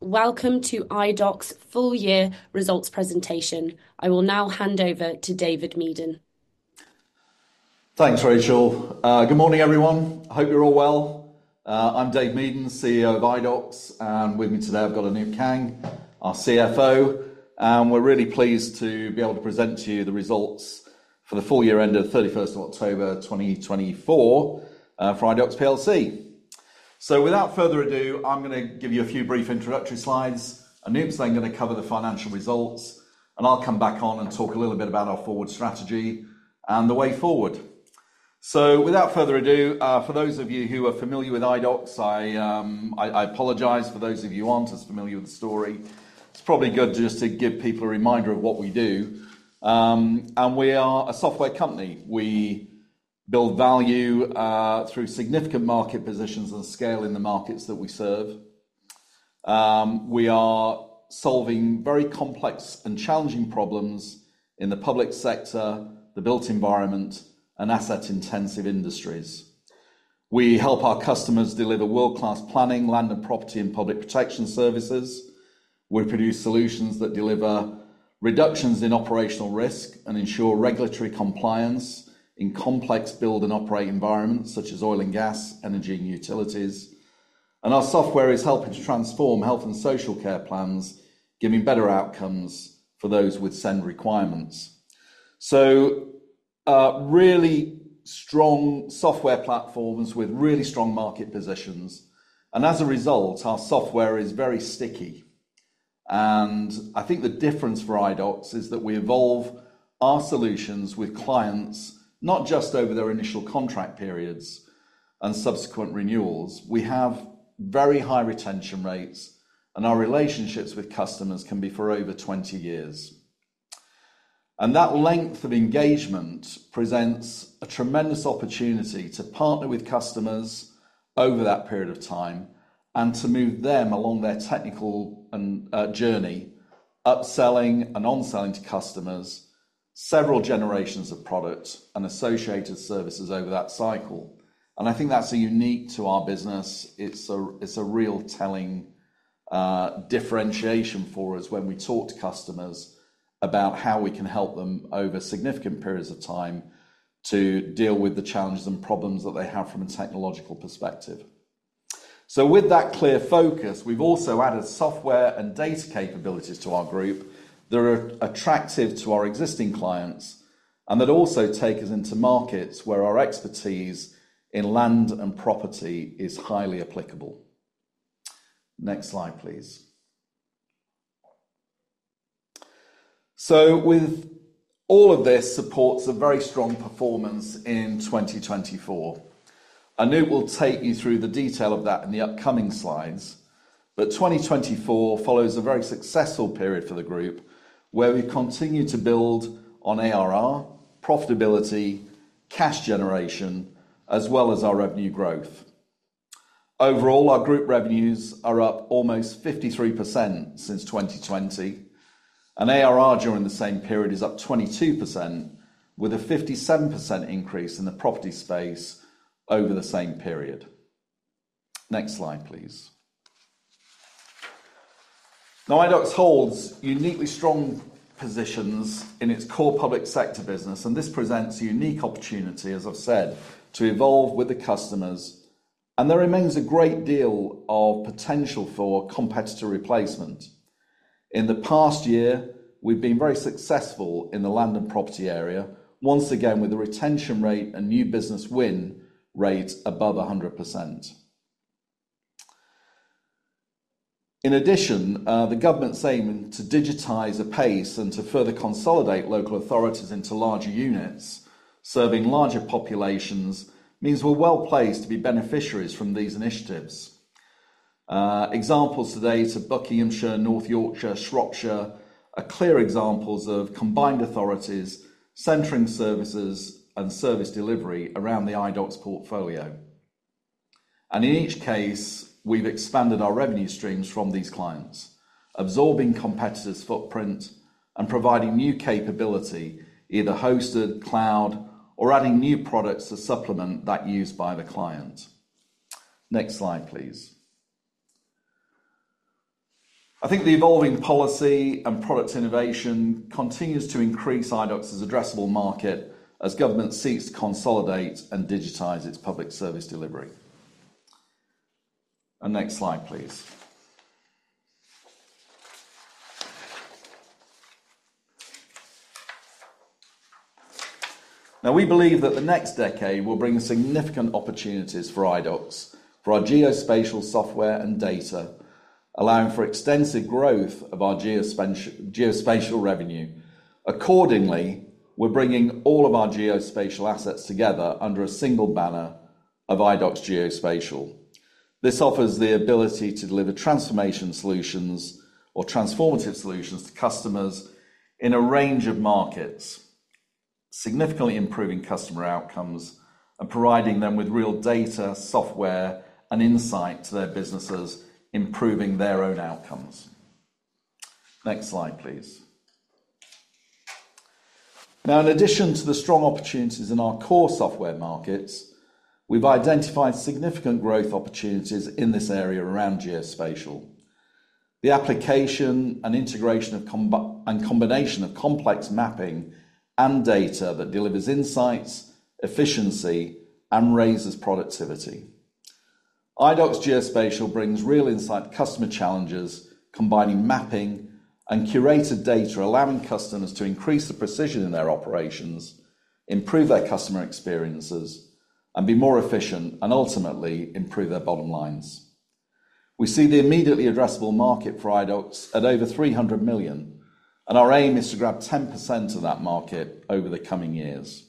Welcome to Idox's full-year results presentation. I will now hand over to David Meaden. Thanks, Rachel. Good morning, everyone. I hope you're all well. I'm Dave Meaden, CEO of Idox, and with me today I've got Anoop Kang, our CFO, and we're really pleased to be able to present to you the results for the full-year end of 31 October 2024 for Idox plc, so without further ado, I'm going to give you a few brief introductory slides. Anoop's then going to cover the financial results, and I'll come back on and talk a little bit about our forward strategy and the way forward, so without further ado, for those of you who are familiar with Idox, I apologize for those of you who aren't as familiar with the story. It's probably good just to give people a reminder of what we do, and we are a software company. We build value through significant market positions and scale in the markets that we serve. We are solving very complex and challenging problems in the public sector, the built environment, and asset-intensive industries. We help our customers deliver world-class planning, land and property, and public protection services. We produce solutions that deliver reductions in operational risk and ensure regulatory compliance in complex build and operate environments such as oil and gas, energy, and utilities, and our software is helping to transform health and social care plans, giving better outcomes for those with SEND requirements, so really strong software platforms with really strong market positions, and as a result, our software is very sticky, and I think the difference for Idox is that we evolve our solutions with clients not just over their initial contract periods and subsequent renewals. We have very high retention rates, and our relationships with customers can be for over 20 years. And that length of engagement presents a tremendous opportunity to partner with customers over that period of time and to move them along their technical journey, upselling and onselling to customers, several generations of products and associated services over that cycle. And I think that's unique to our business. It's a real telling differentiation for us when we talk to customers about how we can help them over significant periods of time to deal with the challenges and problems that they have from a technological perspective. So, with that clear focus, we've also added software and data capabilities to our Group that are attractive to our existing clients and that also take us into markets where our expertise in land and property is highly applicable. Next slide, please. So, with all of this supports a very strong performance in 2024. Anoop will take you through the detail of that in the upcoming slides. But 2024 follows a very successful period for the Group where we continue to build on ARR, profitability, cash generation, as well as our revenue growth. Overall, our Group revenues are up almost 53% since 2020, and ARR during the same period is up 22%, with a 57% increase in the property space over the same period. Next slide, please. Now, Idox holds uniquely strong positions in its core public sector business, and this presents a unique opportunity, as I've said, to evolve with the customers. And there remains a great deal of potential for competitor replacement. In the past year, we've been very successful in the land and property area, once again with a retention rate and new business win rate above 100%. In addition, the government's aim to digitize at pace and to further consolidate local authorities into larger units serving larger populations means we're well placed to be beneficiaries from these initiatives. Examples today to Buckinghamshire, North Yorkshire, Shropshire are clear examples of combined authorities, centering services and service delivery around the Idox portfolio, and in each case, we've expanded our revenue streams from these clients, absorbing competitors' footprint and providing new capability, either hosted, cloud, or adding new products to supplement that used by the client. Next slide, please. I think the evolving policy and product innovation continues to increase Idox's addressable market as governments seek to consolidate and digitize its public service delivery. Next slide, please. Now, we believe that the next decade will bring significant opportunities for Idox for our geospatial software and data, allowing for extensive growth of our geospatial revenue. Accordingly, we're bringing all of our geospatial assets together under a single banner of Idox Geospatial. This offers the ability to deliver transformation solutions or transformative solutions to customers in a range of markets, significantly improving customer outcomes and providing them with real data, software, and insight to their businesses, improving their own outcomes. Next slide, please. Now, in addition to the strong opportunities in our core software markets, we've identified significant growth opportunities in this area around geospatial. The application and integration and combination of complex mapping and data that delivers insights, efficiency, and raises productivity. Idox Geospatial brings real insight to customer challenges, combining mapping and curated data, allowing customers to increase the precision in their operations, improve their customer experiences, and be more efficient and ultimately improve their bottom lines. We see the immediately addressable market for Idox at over 300 million, and our aim is to grab 10% of that market over the coming years.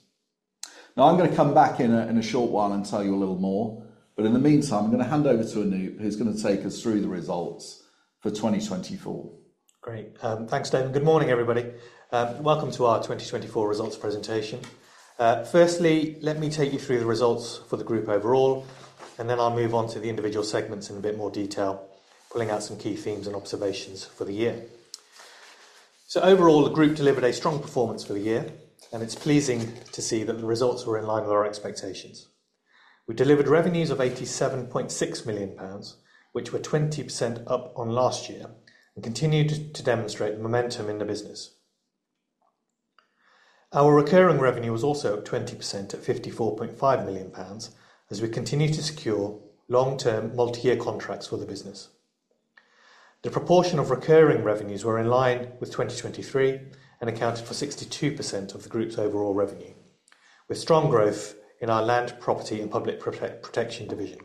Now, I'm going to come back in a short while and tell you a little more. But in the meantime, I'm going to hand over to Anoop, who's going to take us through the results for 2024. Great. Thanks, Dave. And good morning, everybody. Welcome to our 2024 results presentation. Firstly, let me take you through the results for the Group overall, and then I'll move on to the individual segments in a bit more detail, pulling out some key themes and observations for the year. So overall, the Group delivered a strong performance for the year, and it's pleasing to see that the results were in line with our expectations. We delivered revenues of 87.6 million pounds, which were 20% up on last year, and continue to demonstrate momentum in the business. Our recurring revenue was also at 20% at 54.5 million pounds, as we continue to secure long-term multi-year contracts for the business. The proportion of recurring revenues were in line with 2023 and accounted for 62% of the Group's overall revenue, with strong growth in our Land, Property, and Public Protection division.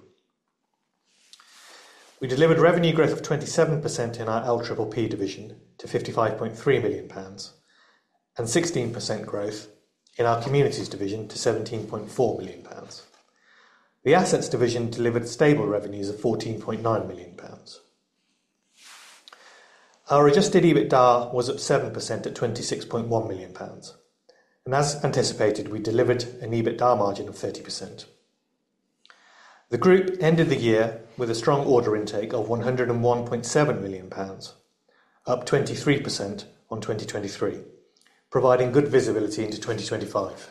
We delivered revenue growth of 27% in our LPPP division to 55.3 million pounds and 16% growth in our Communities Division to 17.4 million pounds. The Assets division delivered stable revenues of 14.9 million pounds. Our adjusted EBITDA was at 7% at 26.1 million pounds, and as anticipated, we delivered an EBITDA margin of 30%. The Group ended the year with a strong order intake of 101.7 million pounds, up 23% on 2023, providing good visibility into 2025.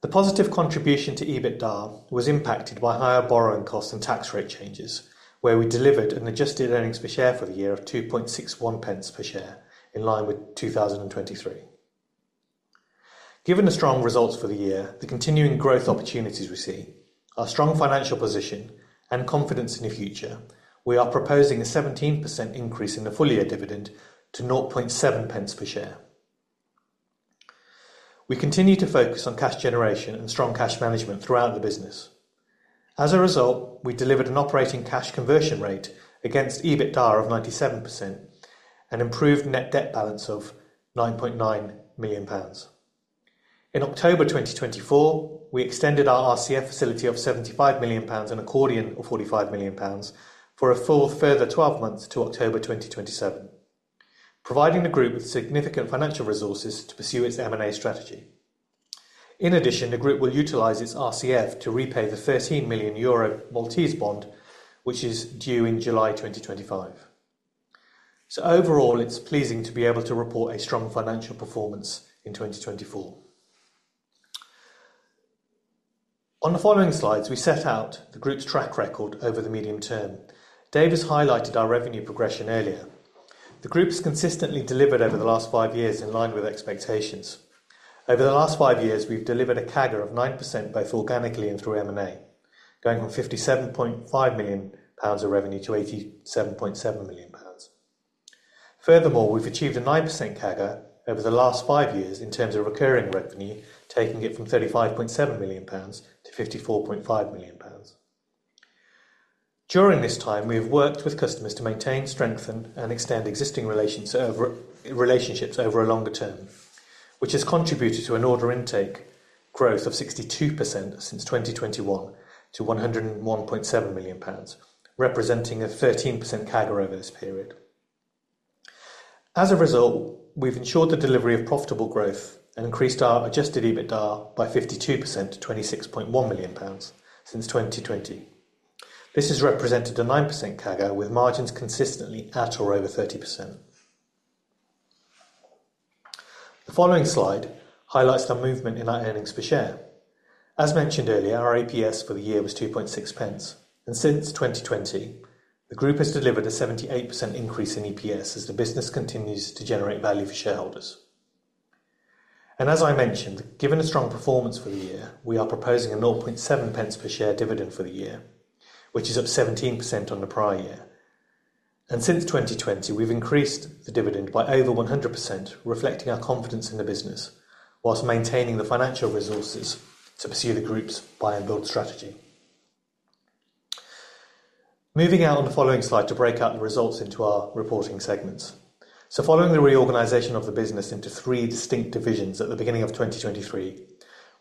The positive contribution to EBITDA was impacted by higher borrowing costs and tax rate changes, where we delivered an adjusted earnings per share for the year of 2.61 per share in line with 2023. Given the strong results for the year, the continuing growth opportunities we see, our strong financial position, and confidence in the future, we are proposing a 17% increase in the full-year dividend to 0.7 per share. We continue to focus on cash generation and strong cash management throughout the business. As a result, we delivered an operating cash conversion rate against EBITDA of 97% and improved net debt balance of 9.9 million pounds. In October 2024, we extended our RCF facility of 75 million pounds and accordion of 45 million pounds for a full further 12 months to October 2027, providing the Group with significant financial resources to pursue its M&A strategy. In addition, the Group will utilize its RCF to repay the 13 million euro Maltese bond, which is due in July 2025. So overall, it's pleasing to be able to report a strong financial performance in 2024. On the following slides, we set out the Group's track record over the medium term. Dave has highlighted our revenue progression earlier. The Group has consistently delivered over the last five years in line with expectations. Over the last five years, we've delivered a CAGR of 9% both organically and through M&A, going from 57.5 million pounds of revenue to 87.7 million pounds. Furthermore, we've achieved a 9% CAGR over the last five years in terms of recurring revenue, taking it from 35.7 million pounds to 54.5 million pounds. During this time, we have worked with customers to maintain, strengthen, and extend existing relationships over a longer term, which has contributed to an order intake growth of 62% since 2021 to 101.7 million pounds, representing a 13% CAGR over this period. As a result, we've ensured the delivery of profitable growth and increased our adjusted EBITDA by 52% to 26.1 million pounds since 2020. This has represented a 9% CAGR with margins consistently at or over 30%. The following slide highlights the movement in our earnings per share. As mentioned earlier, our EPS for the year was 2.6. Since 2020, the Group has delivered a 78% increase in EPS as the business continues to generate value for shareholders. As I mentioned, given a strong performance for the year, we are proposing a 0.7 per share dividend for the year, which is up 17% on the prior year. Since 2020, we've increased the dividend by over 100%, reflecting our confidence in the business whilst maintaining the financial resources to pursue the Group's buy-and-build strategy. Moving out on the following slide to break out the results into our reporting segments. Following the reorganization of the business into three distinct divisions at the beginning of 2023,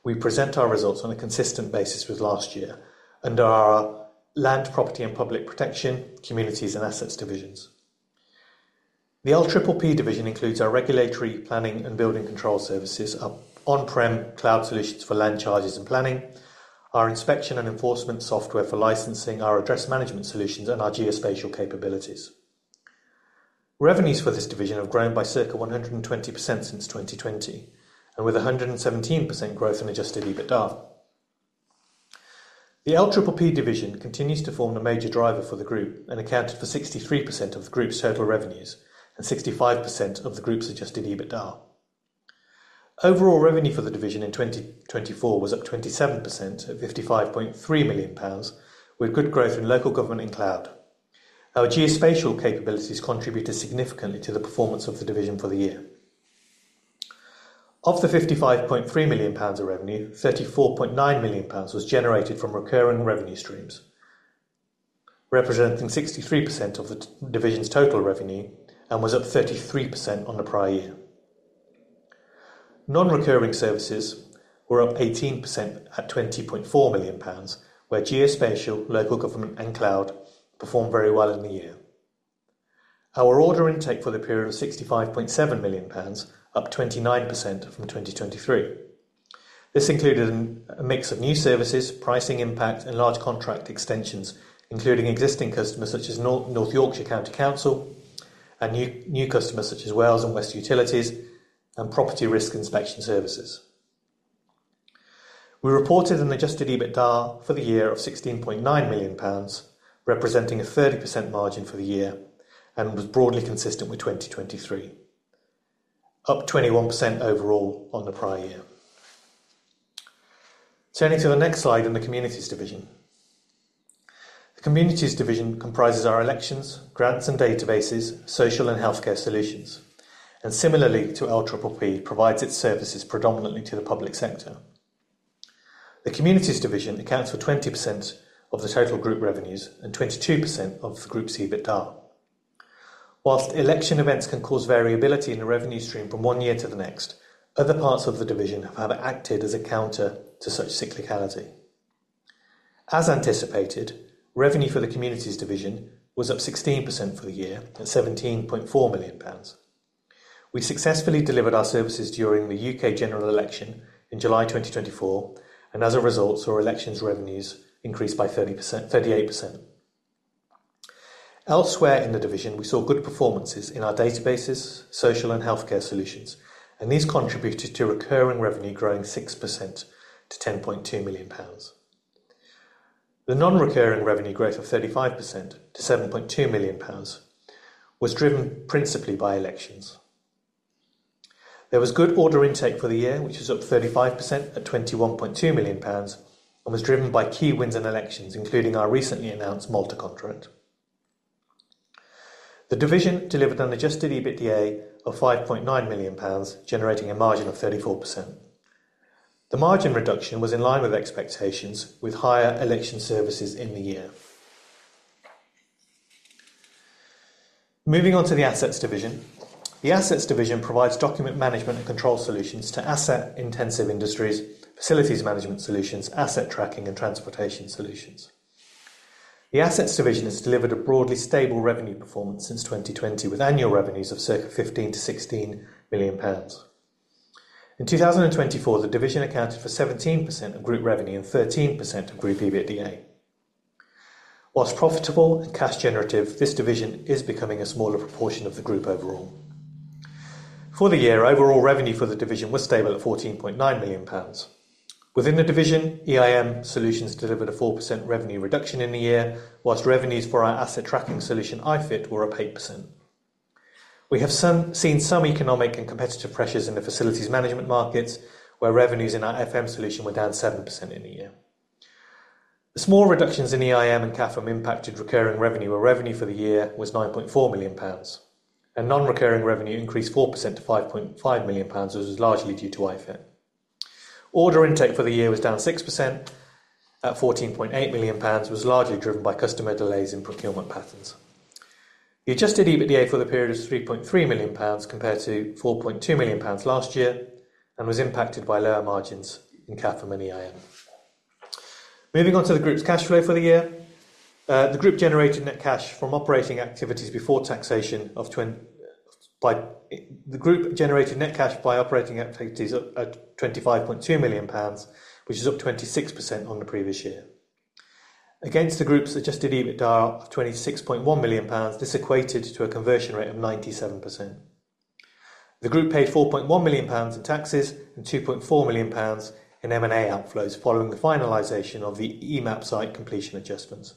we present our results on a consistent basis with last year under our Land, Property, and Public Protection, Communities, and Assets divisions. The LPPP division includes our regulatory, planning, and building control services, our on-prem cloud solutions for land charges and planning, our inspection and enforcement software for licensing, our address management solutions, and our geospatial capabilities. Revenues for this division have grown by circa 120% since 2020, and with 117% growth in adjusted EBITDA. The LPPP division continues to form the major driver for the Group and accounted for 63% of the Group's total revenues and 65% of the Group's adjusted EBITDA. Overall revenue for the division in 2024 was up 27% at 55.3 million pounds, with good growth in local government and cloud. Our geospatial capabilities contributed significantly to the performance of the division for the year. Of the 55.3 million pounds of revenue, 34.9 million pounds was generated from recurring revenue streams, representing 63% of the division's total revenue and was up 33% on the prior year. Non-recurring services were up 18% at 20.4 million pounds, where geospatial, local government, and cloud performed very well in the year. Our order intake for the period was 65.7 million pounds, up 29% from 2023. This included a mix of new services, pricing impact, and large contract extensions, including existing customers such as North Yorkshire County Council and new customers such as Wales & West Utilities and Property Risk Inspection services. We reported an adjusted EBITDA for the year of GBP 16.9 million, representing a 30% margin for the year and was broadly consistent with 2023, up 21% overall on the prior year. Turning to the next slide in the Communities Division. The Communities Division comprises our elections, grants, and databases, social and healthcare solutions, and similarly to LPPP, provides its services predominantly to the public sector. The Communities Division accounts for 20% of the total Group revenues and 22% of the Group's EBITDA. While election events can cause variability in the revenue stream from one year to the next, other parts of the division have acted as a counter to such cyclicality. As anticipated, revenue for the Communities Division was up 16% for the year at 17.4 million pounds. We successfully delivered our services during the U.K. general election in July 2024, and as a result, our elections revenues increased by 38%. Elsewhere in the division, we saw good performances in our databases, social and healthcare solutions, and these contributed to recurring revenue growing 6% to 10.2 million pounds. The non-recurring revenue growth of 35% to 7.2 million pounds was driven principally by elections. There was good order intake for the year, which was up 35% at 21.2 million pounds and was driven by key wins in elections, including our recently announced Malta contract. The division delivered an adjusted EBITDA of 5.9 million pounds, generating a margin of 34%. The margin reduction was in line with expectations, with higher election services in the year. Moving on to the Assets division, the Assets division provides document management and control solutions to asset-intensive industries, facilities management solutions, asset tracking, and transportation solutions. The Assets division has delivered a broadly stable revenue performance since 2020, with annual revenues of circa 15 million to 16 million. In 2024, the division accounted for 17% of Group revenue and 13% of Group EBITDA. While profitable and cash generative, this division is becoming a smaller proportion of the Group overall. For the year, overall revenue for the division was stable at 14.9 million pounds. Within the division, EIM solutions delivered a 4% revenue reduction in the year, while revenues for our asset tracking solution, iFIT, were up 8%. We have seen some economic and competitive pressures in the facilities management markets, where revenues in our FM solution were down 7% in the year. The small reductions in EIM and CAFM impacted recurring revenue, where revenue for the year was 9.4 million pounds, and non-recurring revenue increased 4% to 5.5 million pounds, which was largely due to iFIT. Order intake for the year was down 6% at 14.8 million pounds, which was largely driven by customer delays in procurement patterns. The adjusted EBITDA for the period was 3.3 million pounds compared to 4.2 million pounds last year and was impacted by lower margins in CAFM and EIM. Moving on to the Group's cash flow for the year, the Group generated net cash from operating activities before taxation of 20. The Group generated net cash by operating activities at GBP 25.2 million, which is up 26% on the previous year. Against the Group's adjusted EBITDA of 26.1 million pounds, this equated to a conversion rate of 97%. The Group paid 4.1 million pounds in taxes and 2.4 million pounds in M&A outflows following the finalization of the Emapsite completion adjustments.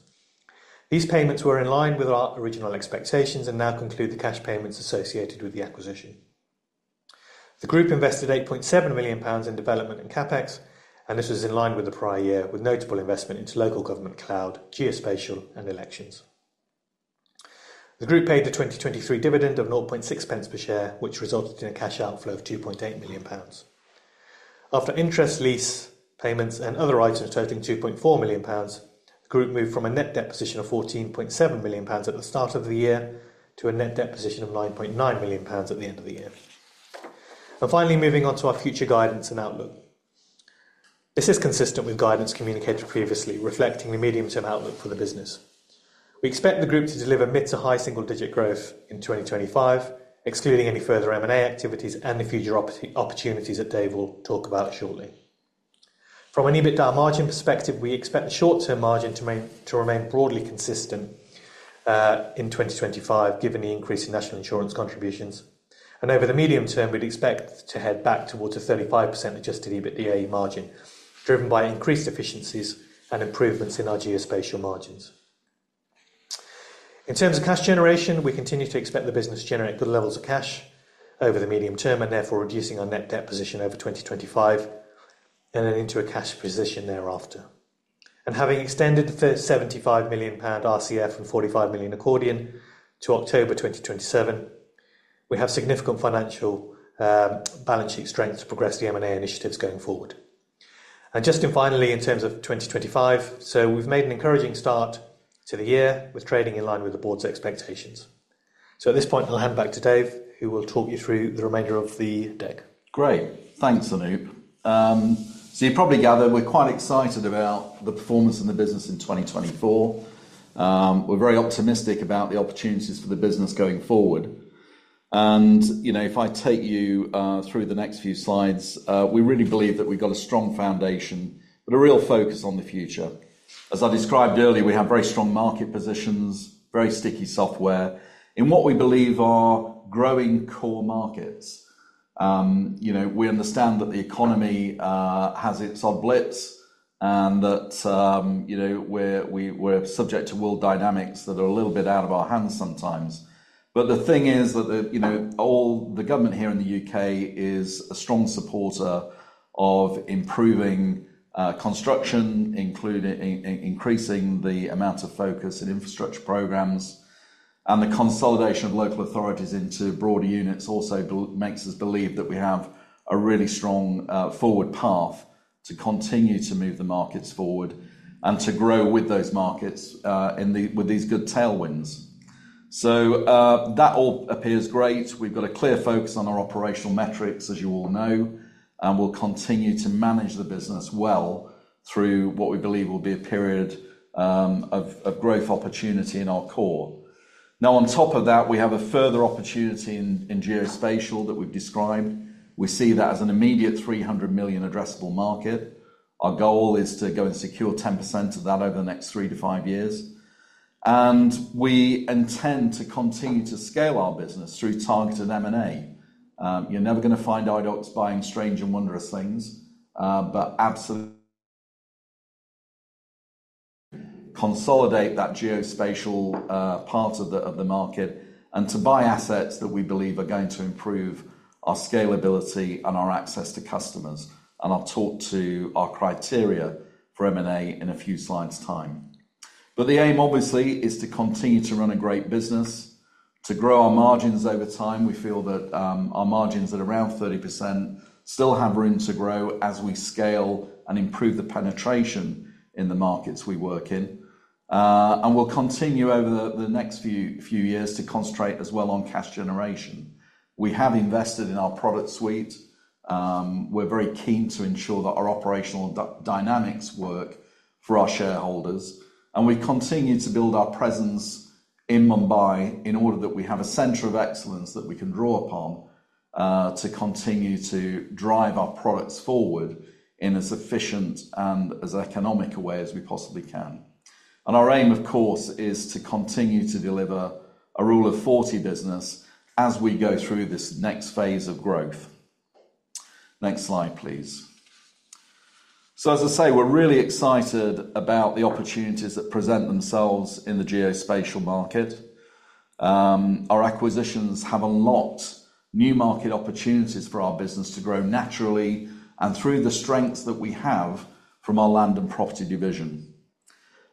These payments were in line with our original expectations and now conclude the cash payments associated with the acquisition. The Group invested 8.7 million pounds in development and CapEx, and this was in line with the prior year, with notable investment into local government, cloud, geospatial, and elections. The Group paid a 2023 dividend of 0.6 per share, which resulted in a cash outflow of 2.8 million pounds. After interest, lease payments, and other items totaling 2.4 million pounds, the Group moved from a net debt position of 14.7 million pounds at the start of the year to a net debt position of 9.9 million pounds at the end of the year. And finally, moving on to our future guidance and outlook. This is consistent with guidance communicated previously, reflecting the medium-term outlook for the business. We expect the Group to deliver mid to high single-digit growth in 2025, excluding any further M&A activities and the future opportunities that Dave will talk about shortly. From an EBITDA margin perspective, we expect the short-term margin to remain broadly consistent in 2025, given the increase in national insurance contributions. And over the medium term, we'd expect to head back towards a 35% adjusted EBITDA margin, driven by increased efficiencies and improvements in our geospatial margins. In terms of cash generation, we continue to expect the business to generate good levels of cash over the medium term and therefore reducing our net debt position over 2025 and then into a cash position thereafter. Having extended the 75 million pound RCF and 45 million accordion to October 2027, we have significant financial balance sheet strength to progress the M&A initiatives going forward. Just finally, in terms of 2025, we've made an encouraging start to the year with trading in line with the board's expectations. At this point, I'll hand back to Dave, who will talk you through the remainder of the deck. Great. Thanks, Anoop. You probably gather we're quite excited about the performance in the business in 2024. We're very optimistic about the opportunities for the business going forward. If I take you through the next few slides, we really believe that we've got a strong foundation, but a real focus on the future. As I described earlier, we have very strong market positions, very sticky software in what we believe are growing core markets. We understand that the economy has its odd blips and that we're subject to world dynamics that are a little bit out of our hands sometimes. The thing is that all the government here in the U.K. is a strong supporter of improving construction, including increasing the amount of focus in infrastructure programs and the consolidation of local authorities into broader units. Also makes us believe that we have a really strong forward path to continue to move the markets forward and to grow with those markets with these good tailwinds. That all appears great. We've got a clear focus on our operational metrics, as you all know, and we'll continue to manage the business well through what we believe will be a period of growth opportunity in our core. Now, on top of that, we have a further opportunity in geospatial that we've described. We see that as an immediate 300 million addressable market. Our goal is to go and secure 10% of that over the next three to five years. And we intend to continue to scale our business through targeted M&A. You're never going to find Idox buying strange and wondrous things, but absolutely consolidate that geospatial part of the market and to buy assets that we believe are going to improve our scalability and our access to customers. And I'll talk to our criteria for M&A in a few slides' time. But the aim, obviously, is to continue to run a great business, to grow our margins over time. We feel that our margins at around 30% still have room to grow as we scale and improve the penetration in the markets we work in. And we'll continue over the next few years to concentrate as well on cash generation. We have invested in our product suite. We're very keen to ensure that our operational dynamics work for our shareholders. And we continue to build our presence in Mumbai in order that we have a center of excellence that we can draw upon to continue to drive our products forward in as efficient and as economical way as we possibly can. And our aim, of course, is to continue to deliver a "rule of 40" business as we go through this next phase of growth. Next slide, please. So, as I say, we're really excited about the opportunities that present themselves in the geospatial market. Our acquisitions have unlocked new market opportunities for our business to grow naturally and through the strengths that we have from our land and property division.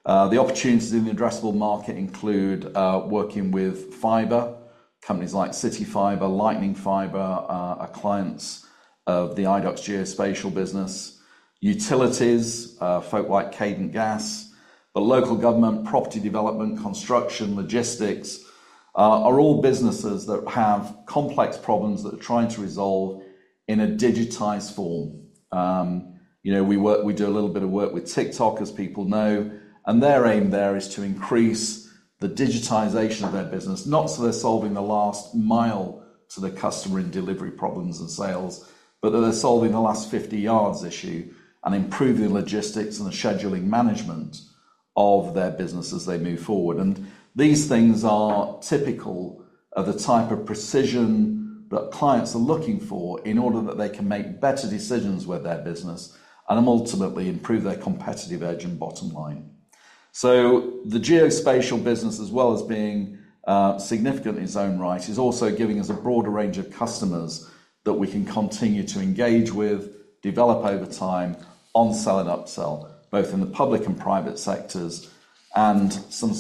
The opportunities in the addressable market include working with fiber, companies like CityFibre, Lightning Fibre, our clients of the Idox Geospatial business, utilities, folk like Cadent Gas, the local government, property development, construction, logistics are all businesses that have complex problems that are trying to resolve in a digitized form. We do a little bit of work with TikTok, as people know, and their aim there is to increase the digitization of their business, not so they're solving the last mile to the customer in delivery problems and sales, but that they're solving the last 50 yards issue and improving the logistics and the scheduling management of their business as they move forward. And these things are typical of the type of precision that clients are looking for in order that they can make better decisions with their business and ultimately improve their competitive edge and bottom line. So, the geospatial business, as well as being significantly strong, right, is also giving us a broader range of customers that we can continue to engage with, develop over time, cross-sell and upsell, both in the public and private sectors and some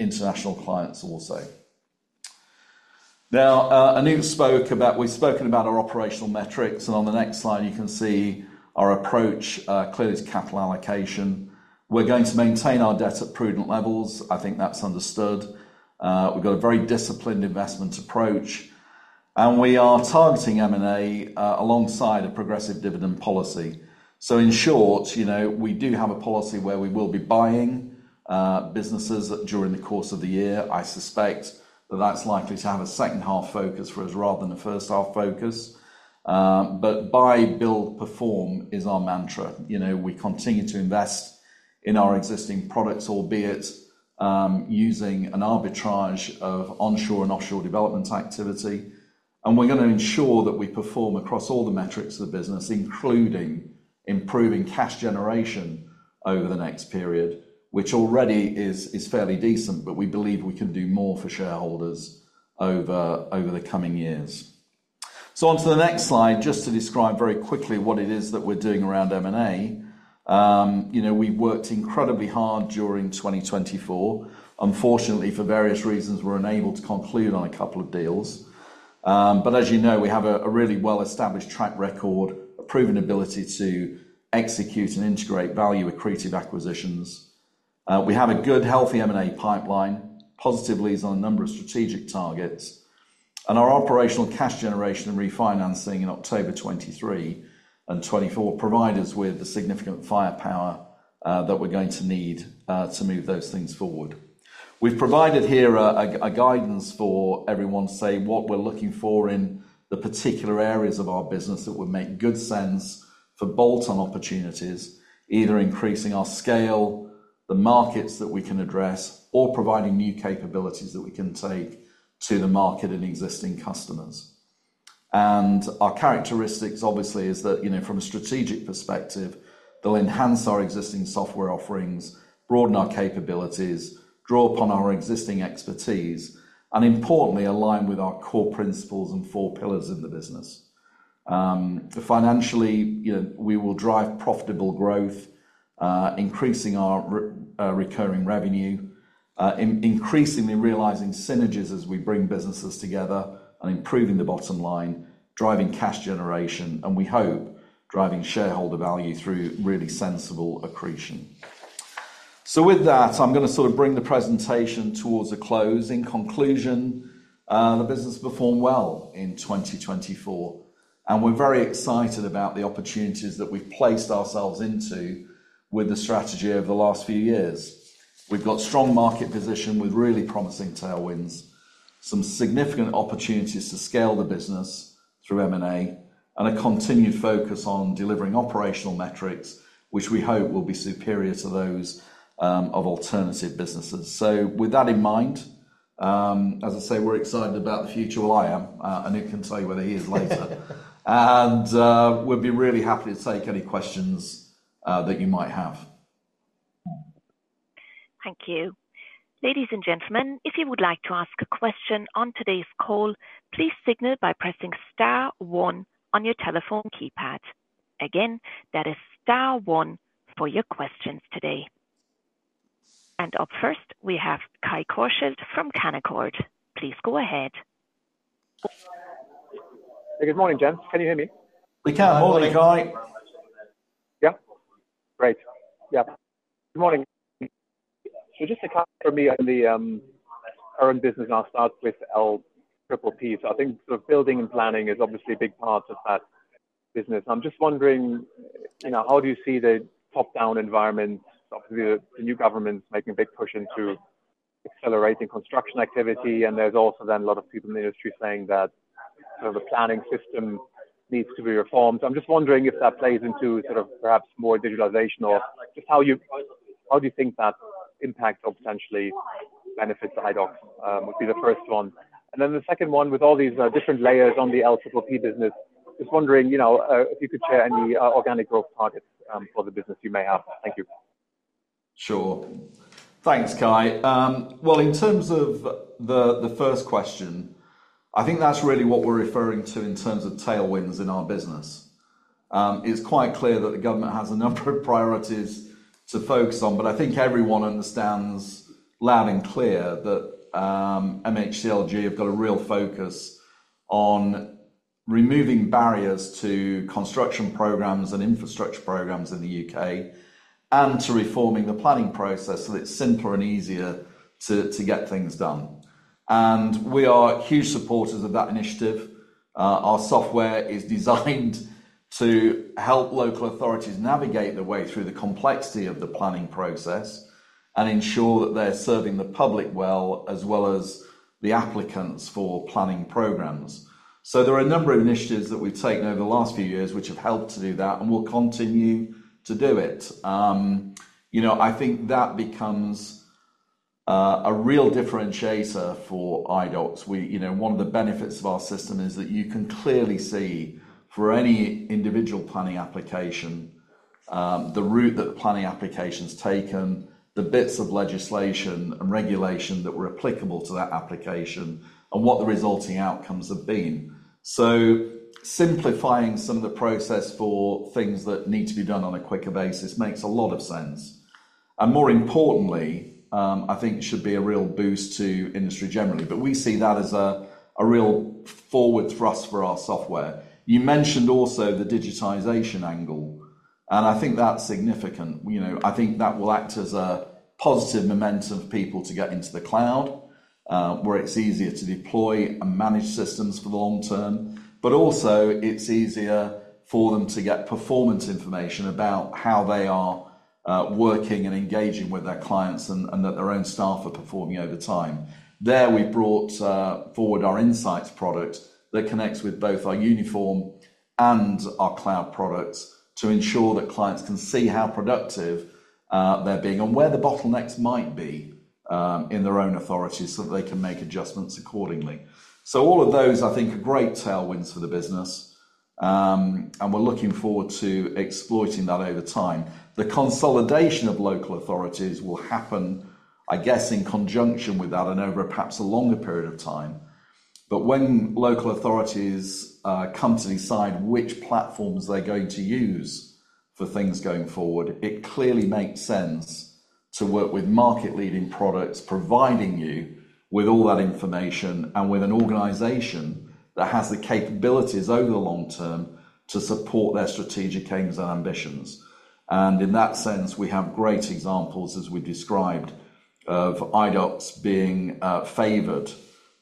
international clients also. Now, Anoop spoke about. We've spoken about our operational metrics, and on the next slide, you can see our approach clearly to capital allocation. We're going to maintain our debt at prudent levels. I think that's understood. We've got a very disciplined investment approach, and we are targeting M&A alongside a progressive dividend policy. So, in short, we do have a policy where we will be buying businesses during the course of the year. I suspect that that's likely to have a second-half focus for us rather than a first-half focus. But buy, build, perform is our mantra. We continue to invest in our existing products, albeit using an arbitrage of onshore and offshore development activity. And we're going to ensure that we perform across all the metrics of the business, including improving cash generation over the next period, which already is fairly decent, but we believe we can do more for shareholders over the coming years. So, on to the next slide, just to describe very quickly what it is that we're doing around M&A. We've worked incredibly hard during 2024. Unfortunately, for various reasons, we're unable to conclude on a couple of deals. But as you know, we have a really well-established track record, a proven ability to execute and integrate value-accretive acquisitions. We have a good, healthy M&A pipeline, positive leads on a number of strategic targets. And our operational cash generation and refinancing in October 2023 and 2024 provide us with the significant firepower that we're going to need to move those things forward. We've provided here a guidance for everyone to say what we're looking for in the particular areas of our business that would make good sense for bolt-on opportunities, either increasing our scale, the markets that we can address, or providing new capabilities that we can take to the market and existing customers. And our characteristics, obviously, is that from a strategic perspective, they'll enhance our existing software offerings, broaden our capabilities, draw upon our existing expertise, and importantly, align with our core principles and four pillars in the business. Financially, we will drive profitable growth, increasing our recurring revenue, increasingly realizing synergies as we bring businesses together and improving the bottom line, driving cash generation, and we hope driving shareholder value through really sensible accretion. So, with that, I'm going to sort of bring the presentation towards a closing. Conclusion, the business performed well in 2024, and we're very excited about the opportunities that we've placed ourselves into with the strategy over the last few years. We've got a strong market position with really promising tailwinds, some significant opportunities to scale the business through M&A, and a continued focus on delivering operational metrics, which we hope will be superior to those of alternative businesses. So, with that in mind, as I say, we're excited about the future. Well, I am. Anoop can tell you whether he is later. And we'd be really happy to take any questions that you might have. Thank you. Ladies and gentlemen, if you would like to ask a question on today's call, please signal by pressing star one on your telephone keypad. Again, that is star one for your questions today. And up first, we have Kai Korschelt from Canaccord. Please go ahead. Good morning, gents. Can you hear me? We can. Morning, Kai. Yeah. Great. Yeah. Good morning. So just a couple from me on our own business, and I'll start with LPPP. So, I think sort of building and planning is obviously a big part of that business. I'm just wondering, how do you see the top-down environment? The new government's making a big push into accelerating construction activity, and there's also then a lot of people in the industry saying that sort of the planning system needs to be reformed. So, I'm just wondering if that plays into sort of perhaps more digitalization or just how do you think that impact or potentially benefits Idox would be the first one. And then the second one, with all these different layers on the LPPP business, just wondering if you could share any organic growth targets for the business you may have. Thank you. Sure. Thanks, Kai. Well, in terms of the first question, I think that's really what we're referring to in terms of tailwinds in our business. It's quite clear that the government has a number of priorities to focus on, but I think everyone understands loud and clear that MHCLG have got a real focus on removing barriers to construction programs and infrastructure programs in the U.K. and to reforming the planning process so that it's simpler and easier to get things done. And we are huge supporters of that initiative. Our software is designed to help local authorities navigate their way through the complexity of the planning process and ensure that they're serving the public well as well as the applicants for planning programs. So there are a number of initiatives that we've taken over the last few years which have helped to do that and will continue to do it. I think that becomes a real differentiator for Idox. One of the benefits of our system is that you can clearly see for any individual planning application the route that the planning application's taken, the bits of legislation and regulation that were applicable to that application, and what the resulting outcomes have been. So simplifying some of the process for things that need to be done on a quicker basis makes a lot of sense. And more importantly, I think it should be a real boost to industry generally, but we see that as a real forward thrust for our software. You mentioned also the digitization angle, and I think that's significant. I think that will act as a positive momentum for people to get into the cloud where it's easier to deploy and manage systems for the long term, but also it's easier for them to get performance information about how they are working and engaging with their clients and that their own staff are performing over time. There we brought forward our Insights product that connects with both our Uniform and our cloud products to ensure that clients can see how productive they're being and where the bottlenecks might be in their own authorities so that they can make adjustments accordingly, so all of those, I think, are great tailwinds for the business, and we're looking forward to exploiting that over time. The consolidation of local authorities will happen, I guess, in conjunction with that and over perhaps a longer period of time. When local authorities come to decide which platforms they're going to use for things going forward, it clearly makes sense to work with market-leading products providing you with all that information and with an organization that has the capabilities over the long term to support their strategic aims and ambitions. In that sense, we have great examples, as we described, of Idox being favored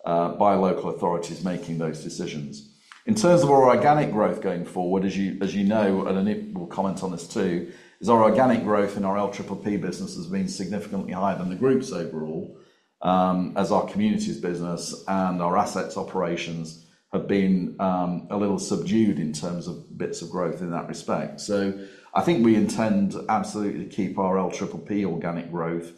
by local authorities making those decisions. In terms of our organic growth going forward, as you know, and Anoop will comment on this too, is our organic growth in our LPPP business has been significantly higher than the Group's overall, as our community's business and our assets operations have been a little subdued in terms of bits of growth in that respect. So I think we intend absolutely to keep our LPPP organic growth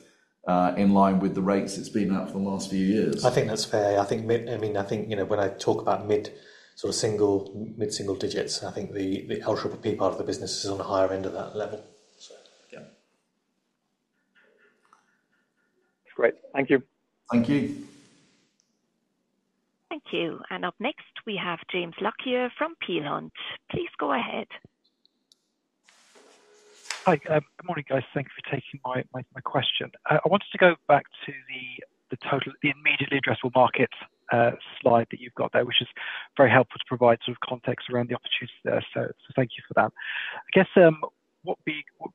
in line with the rates it's been at for the last few years. I think that's fair. I mean, I think when I talk about mid-single digits, I think the LPPP part of the business is on the higher end of that level. Yeah. Great. Thank you. Thank you. Thank you. And up next, we have James Lockyer from Peel Hunt. Please go ahead. Hi. Good morning, guys. Thank you for taking my question. I wanted to go back to the immediately addressable market slide that you've got there, which is very helpful to provide sort of context around the opportunities there. So thank you for that. I guess what would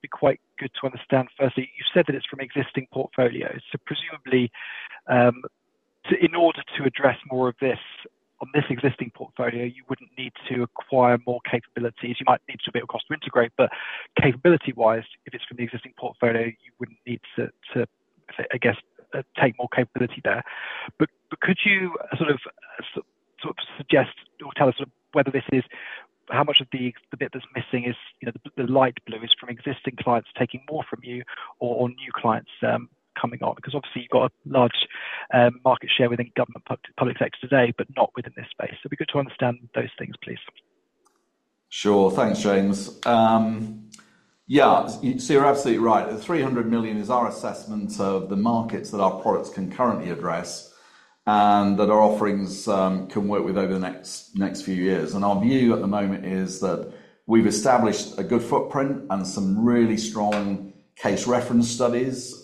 be quite good to understand firstly, you've said that it's from existing portfolios. So presumably, in order to address more of this on this existing portfolio, you wouldn't need to acquire more capabilities. You might need to be able to cross-integrate, but capability-wise, if it's from the existing portfolio, you wouldn't need to, I guess, take more capability there. But could you sort of suggest or tell us whether this is how much of the bit that's missing is the light blue is from existing clients taking more from you or new clients coming on? Because obviously, you've got a large market share within government public sector today, but not within this space. So it'd be good to understand those things, please. Sure. Thanks, James. Yeah. So you're absolutely right. The 300 million is our assessment of the markets that our products can currently address and that our offerings can work with over the next few years. Our view at the moment is that we've established a good footprint and some really strong case reference studies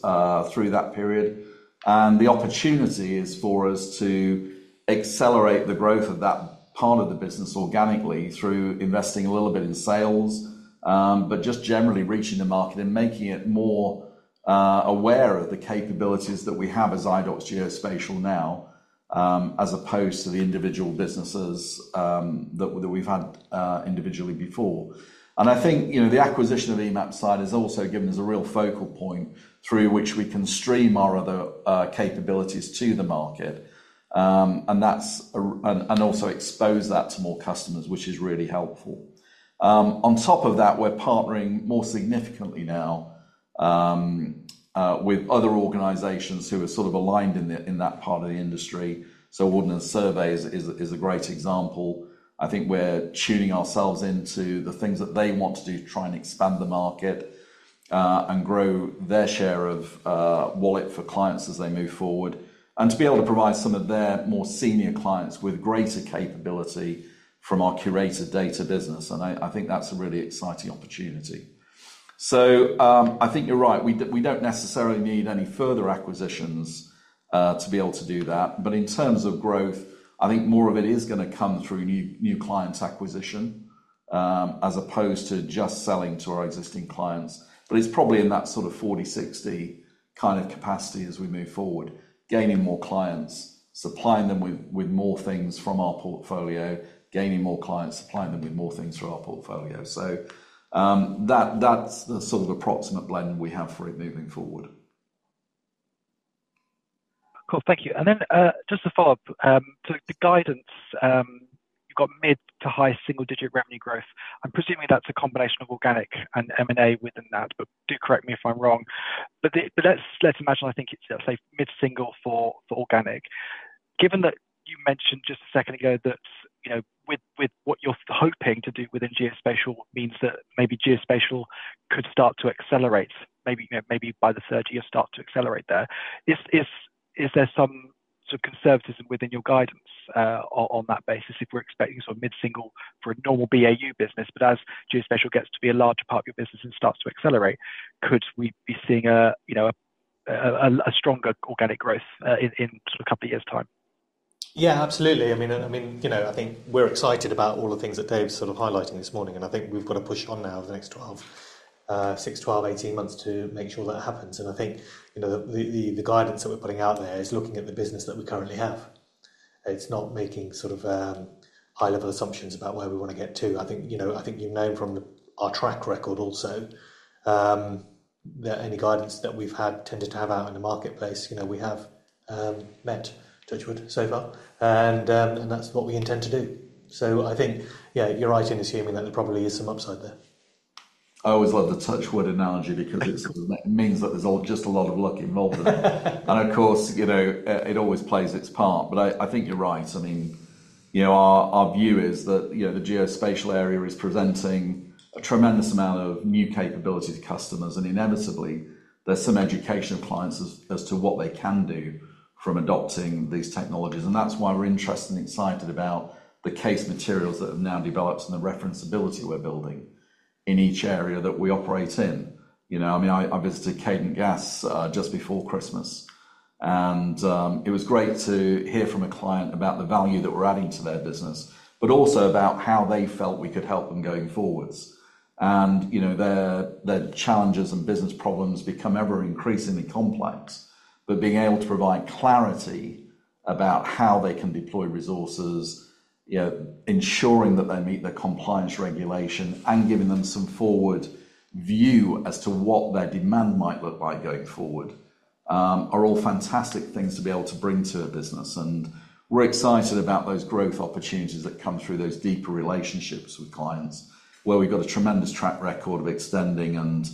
through that period. The opportunity is for us to accelerate the growth of that part of the business organically through investing a little bit in sales, but just generally reaching the market and making it more aware of the capabilities that we have as Idox Geospatial now, as opposed to the individual businesses that we've had individually before. I think the acquisition of Emapsite has also given us a real focal point through which we can stream our other capabilities to the market, and also expose that to more customers, which is really helpful. On top of that, we're partnering more significantly now with other organizations who are sort of aligned in that part of the industry. Ordnance Survey is a great example. I think we're tuning ourselves into the things that they want to do to try and expand the market and grow their share of wallet for clients as they move forward, and to be able to provide some of their more senior clients with greater capability from our curated data business, and I think that's a really exciting opportunity, so I think you're right. We don't necessarily need any further acquisitions to be able to do that. But in terms of growth, I think more of it is going to come through new clients' acquisition as opposed to just selling to our existing clients, but it's probably in that sort of 40/60 kind of capacity as we move forward, gaining more clients, supplying them with more things from our portfolio, gaining more clients, supplying them with more things through our portfolio. So that's the sort of approximate blend we have for it moving forward. Cool. Thank you. And then just to follow up, the guidance, you've got mid- to high single-digit revenue growth. I'm presuming that's a combination of organic and M&A within that, but do correct me if I'm wrong. But let's imagine, I think, let's say mid-single for organic. Given that you mentioned just a second ago that with what you're hoping to do within geospatial means that maybe geospatial could start to accelerate, maybe by the third year, start to accelerate there, is there some sort of conservatism within your guidance on that basis if we're expecting sort of mid-single for a normal BAU business? But as geospatial gets to be a larger part of your business and starts to accelerate, could we be seeing a stronger organic growth in sort of a couple of years' time? Yeah, absolutely. I mean, I think we're excited about all the things that Dave's sort of highlighting this morning, and I think we've got to push on now over the next 12, 6, 12, 18 months to make sure that happens. And I think the guidance that we're putting out there is looking at the business that we currently have. It's not making sort of high-level assumptions about where we want to get to. I think you've known from our track record also that any guidance that we've had tended to have out in the marketplace. We have met, touch wood, so far, and that's what we intend to do. So, I think, yeah, you're right in assuming that there probably is some upside there. I always love the touch wood analogy because it means that there's just a lot of luck involved in that. Of course, it always plays its part. I think you're right. I mean, our view is that the geospatial area is presenting a tremendous amount of new capabilities to customers, and inevitably, there's some education of clients as to what they can do from adopting these technologies. That's why we're interested and excited about the case materials that have now developed and the referenceability we're building in each area that we operate in. I mean, I visited Cadent Gas just before Christmas, and it was great to hear from a client about the value that we're adding to their business, but also about how they felt we could help them going forwards. Their challenges and business problems become ever increasingly complex. But being able to provide clarity about how they can deploy resources, ensuring that they meet the compliance regulation, and giving them some forward view as to what their demand might look like going forward are all fantastic things to be able to bring to a business, and we're excited about those growth opportunities that come through those deeper relationships with clients where we've got a tremendous track record of extending and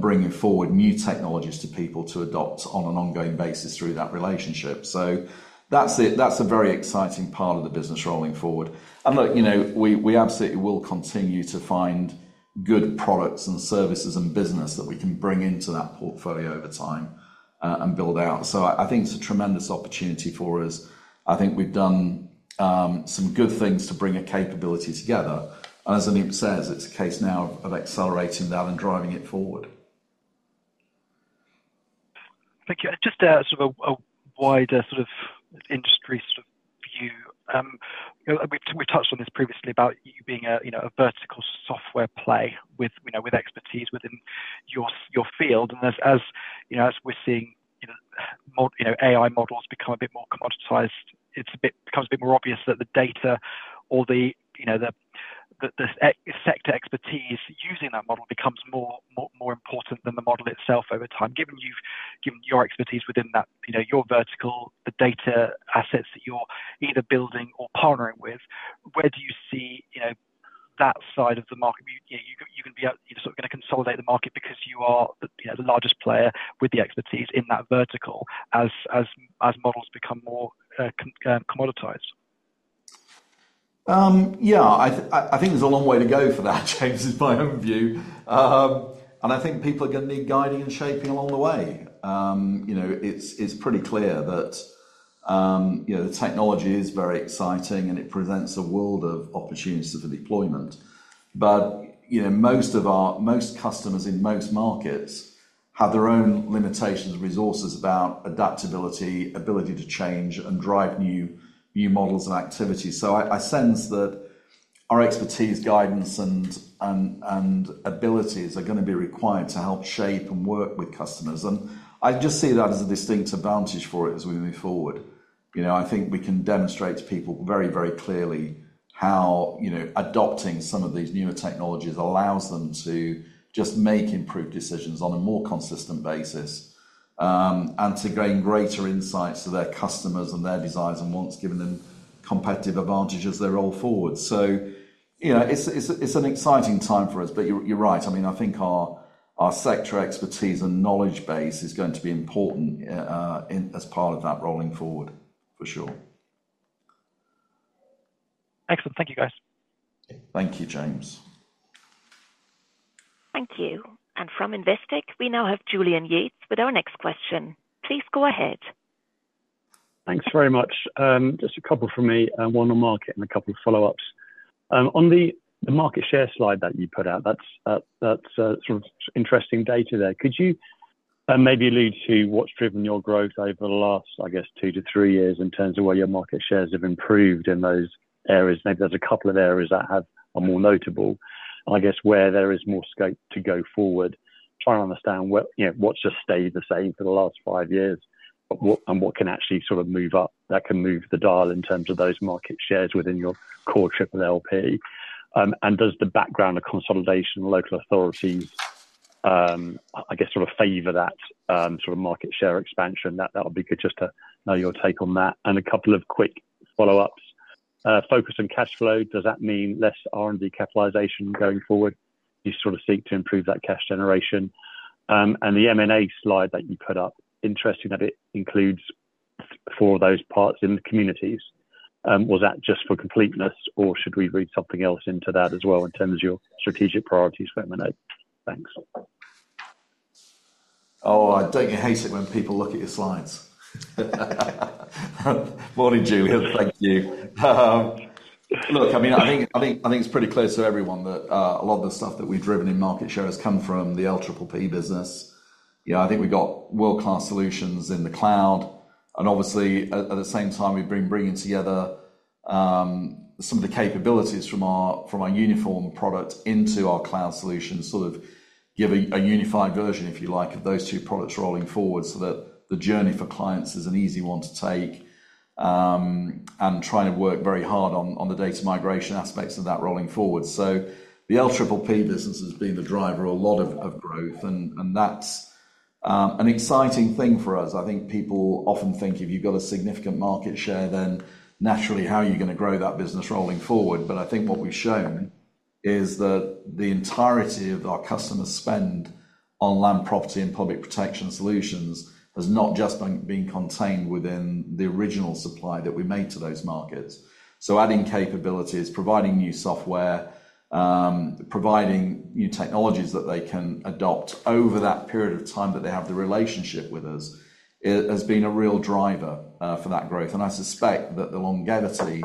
bringing forward new technologies to people to adopt on an ongoing basis through that relationship, so that's a very exciting part of the business rolling forward, and look, we absolutely will continue to find good products and services and business that we can bring into that portfolio over time and build out, So, I think it's a tremendous opportunity for us. I think we've done some good things to bring a capability together. And as Anoop says, it's a case now of accelerating that and driving it forward. Thank you. Just sort of a wider sort of industry sort of view. We've touched on this previously about you being a vertical software play with expertise within your field. And as we're seeing AI models become a bit more commoditized, it becomes a bit more obvious that the data or the sector expertise using that model becomes more important than the model itself over time. Given your expertise within that, your vertical, the data assets that you're either building or partnering with, where do you see that side of the market? You're going to be sort of going to consolidate the market because you are the largest player with the expertise in that vertical as models become more commoditized? Yeah. I think there's a long way to go for that, James, is my own view. And I think people are going to need guiding and shaping along the way. It's pretty clear that the technology is very exciting, and it presents a world of opportunities for deployment, but most customers in most markets have their own limitations and resources about adaptability, ability to change, and drive new models and activities, so I sense that our expertise, guidance, and abilities are going to be required to help shape and work with customers, and I just see that as a distinct advantage for it as we move forward. I think we can demonstrate to people very, very clearly how adopting some of these newer technologies allows them to just make improved decisions on a more consistent basis and to gain greater insights to their customers and their desires and once given them competitive advantages as they roll forward. So it's an exciting time for us, but you're right. I mean, I think our sector expertise and knowledge base is going to be important as part of that rolling forward, for sure. Excellent. Thank you, guys. Thank you, James. Thank you. And from Investec, we now have Julian Yates with our next question. Please go ahead. Thanks very much. Just a couple from me, one on market and a couple of follow-ups. On the market share slide that you put out, that's sort of interesting data there. Could you maybe allude to what's driven your growth over the last, I guess, two to three years in terms of where your market shares have improved in those areas? Maybe there's a couple of areas that are more notable, I guess, where there is more scope to go forward, trying to understand what's just stayed the same for the last five years and what can actually sort of move up that can move the dial in terms of those market shares within your core LPPP? Does the background of consolidation and local authorities, I guess, sort of favor that sort of market share expansion? That would be good just to know your take on that. And a couple of quick follow-ups. Focus on cash flow, does that mean less R&D capitalization going forward? You sort of seek to improve that cash generation. And the M&A slide that you put up, interesting that it includes four of those parts in the Communities. Was that just for completeness, or should we read something else into that as well in terms of your strategic priorities for M&A? Thanks. Oh, I hate it when people look at your slides. Morning, Julian. Thank you. Look, I mean, I think it's pretty clear to everyone that a lot of the stuff that we've driven in market share has come from the LPPP business. I think we've got world-class solutions in the cloud. And obviously, at the same time, we've been bringing together some of the capabilities from our Uniform product into our cloud solution, sort of give a unified version, if you like, of those two products rolling forward so that the journey for clients is an easy one to take and trying to work very hard on the data migration aspects of that rolling forward. So, the LPPP business has been the driver of a lot of growth, and that's an exciting thing for us. I think people often think if you've got a significant market share, then naturally, how are you going to grow that business rolling forward? But I think what we've shown is that the entirety of our customer spend on Land, Property, and Public Protection solutions has not just been contained within the original supply that we made to those markets. So, adding capabilities, providing new software, providing new technologies that they can adopt over that period of time that they have the relationship with us has been a real driver for that growth. And I suspect that the longevity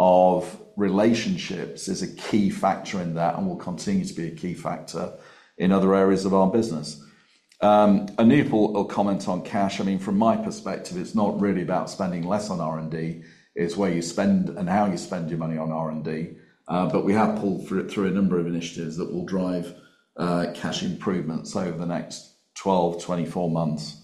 of relationships is a key factor in that and will continue to be a key factor in other areas of our business. Any comment on cash? I mean, from my perspective, it's not really about spending less on R&D. It's where you spend and how you spend your money on R&D. But we have pulled through a number of initiatives that will drive cash improvements over the next 12, 24 months.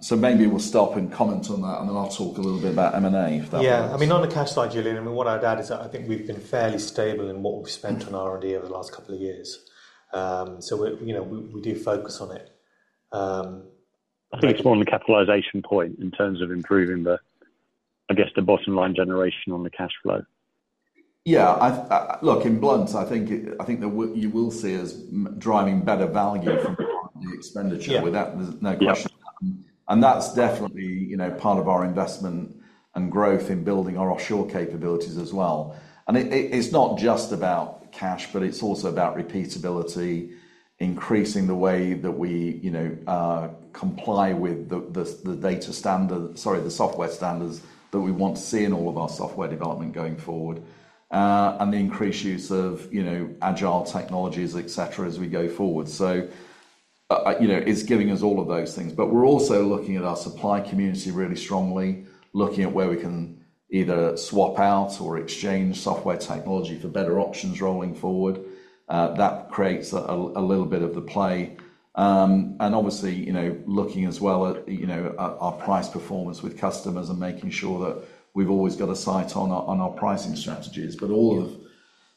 So maybe we'll stop and comment on that, and then I'll talk a little bit about M&A if that works. Yeah. I mean, on the cash side, Julian, I mean, what I'd add is that I think we've been fairly stable in what we've spent on R&D over the last couple of years. So we do focus on it. I think it's more on the capitalization point in terms of improving, I guess, the bottom line generation on the cash flow. Yeah. Look, in blunt terms, I think you will see us driving better value from the expenditure without no question. And that's definitely part of our investment and growth in building our offshore capabilities as well. And it's not just about cash, but it's also about repeatability, increasing the way that we comply with the data standards, sorry, the software standards that we want to see in all of our software development going forward, and the increased use of agile technologies, et cetera, as we go forward. It's giving us all of those things. But we're also looking at our supply community really strongly, looking at where we can either swap out or exchange software technology for better options rolling forward. That creates a little bit of the play. And obviously, looking as well at our price performance with customers and making sure that we've always got a sight on our pricing strategies. But all of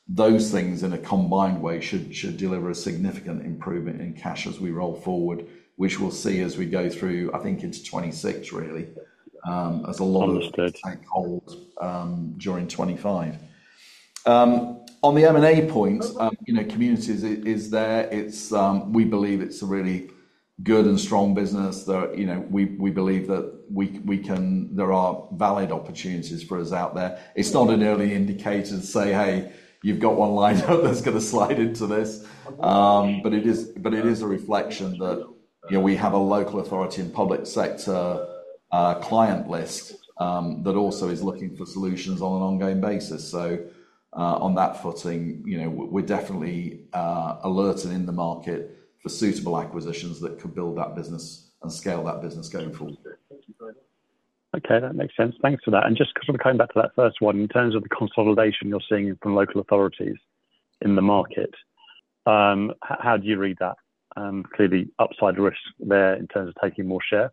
those things in a combined way should deliver a significant improvement in cash as we roll forward, which we'll see as we go through, I think, into 2026, really, as a lot of stakeholders during 2025. On the M&A point, Communities is there. We believe it's a really good and strong business. We believe that there are valid opportunities for us out there. It's not an early indicator to say, "Hey, you've got one line up that's going to slide into this." But it is a reflection that we have a local authority and public sector client list that also is looking for solutions on an ongoing basis. So on that footing, we're definitely alerted in the market for suitable acquisitions that could build that business and scale that business going forward. Okay. That makes sense. Thanks for that. And just sort of coming back to that first one, in terms of the consolidation you're seeing from local authorities in the market, how do you read that? Clearly, upside risk there in terms of taking more share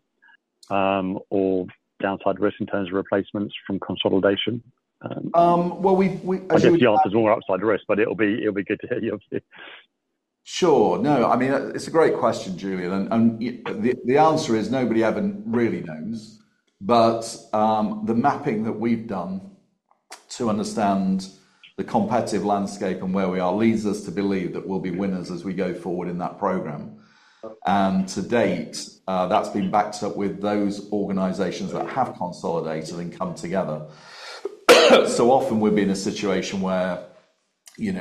or downside risk in terms of replacements from consolidation? I think the answer is more upside risk, but it'll be good to hear your view. Sure. No, I mean, it's a great question, Julian. And the answer is nobody ever really knows. But the mapping that we've done to understand the competitive landscape and where we are leads us to believe that we'll be winners as we go forward in that program. And to date, that's been backed up with those organizations that have consolidated and come together. So, often, we've been in a situation where,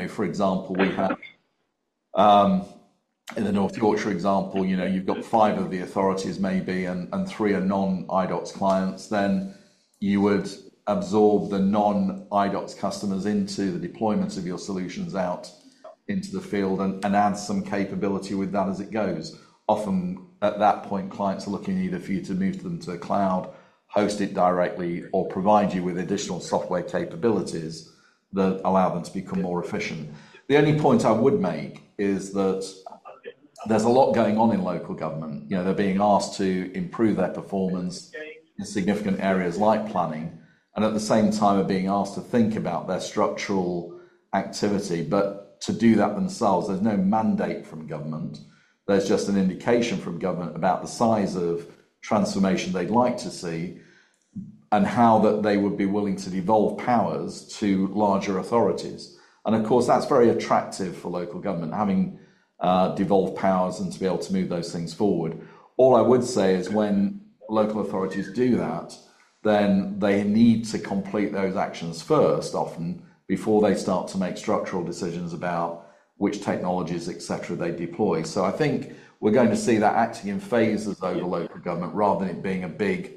for example, we have in the North Yorkshire example, you've got five of the authorities maybe and three are non-Idox clients. Then you would absorb the non-Idox customers into the deployment of your solutions out into the field and add some capability with that as it goes. Often, at that point, clients are looking either for you to move them to a cloud, host it directly, or provide you with additional software capabilities that allow them to become more efficient. The only point I would make is that there's a lot going on in local government. They're being asked to improve their performance in significant areas like planning, and at the same time, they're being asked to think about their structural activity, but to do that themselves, there's no mandate from government. There's just an indication from government about the size of transformation they'd like to see and how that they would be willing to devolve powers to larger authorities, and of course, that's very attractive for local government, having devolved powers and to be able to move those things forward. All I would say is when local authorities do that, then they need to complete those actions first, often, before they start to make structural decisions about which technologies, et cetera, they deploy. So I think we're going to see that acting in phases over local government rather than it being a big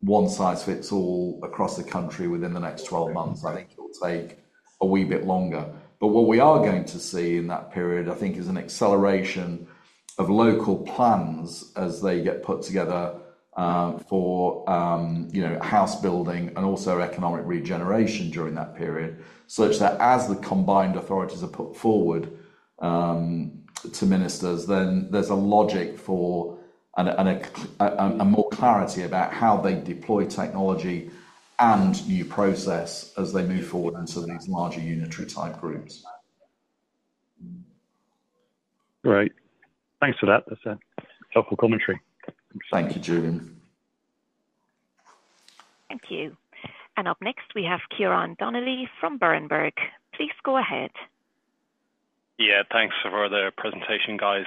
one-size-fits-all across the country within the next 12 months. I think it'll take a wee bit longer. But what we are going to see in that period, I think, is an acceleration of local plans as they get put together for house building and also economic regeneration during that period, such that as the combined authorities are put forward to ministers, then there's a logic for and more clarity about how they deploy technology and new process as they move forward into these larger unitary type groups. Great. Thanks for that. That's helpful commentary. Thank you, Julian. Thank you. And up next, we have Ciaran Donnelly from Berenberg. Please go ahead. Yeah. Thanks for the presentation, guys.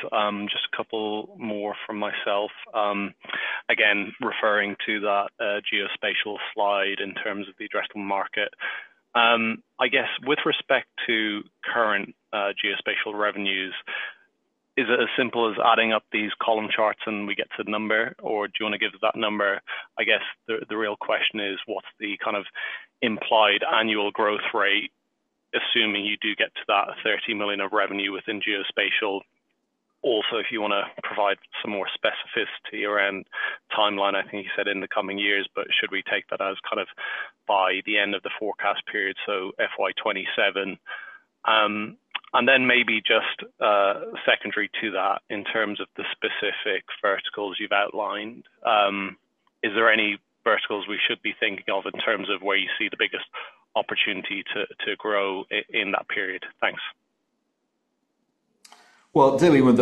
Just a couple more from myself. Again, referring to that geospatial slide in terms of the addressable market, I guess, with respect to current geospatial revenues, is it as simple as adding up these column charts and we get to the number, or do you want to give that number? I guess the real question is, what's the kind of implied annual growth rate, assuming you do get to that 30 million of revenue within geospatial? Also, if you want to provide some more specificity around timeline, I think you said in the coming years, but should we take that as kind of by the end of the forecast period, so FY27? And then maybe just secondary to that, in terms of the specific verticals you've outlined, is there any verticals we should be thinking of in terms of where you see the biggest opportunity to grow in that period? Thanks. Dealing with